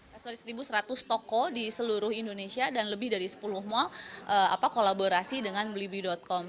dari satu seratus toko di seluruh indonesia dan lebih dari sepuluh mall kolaborasi dengan blibli com